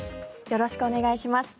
よろしくお願いします。